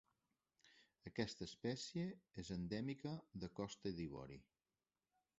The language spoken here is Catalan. Aquesta espècie és endèmica de Costa d'Ivori.